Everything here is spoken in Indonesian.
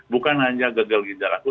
bukan hanya gagal ginjal akut